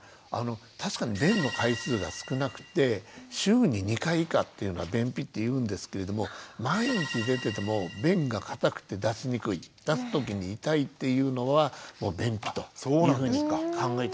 確かに便の回数が少なくて週に２回以下っていうのは便秘っていうんですけれども毎日出てても便が硬くて出しにくい出す時に痛いっていうのはもう便秘というふうに考えた方がいいと思います。